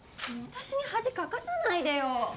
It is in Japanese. もう私に恥かかせないでよ！